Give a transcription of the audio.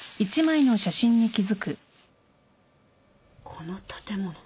この建物。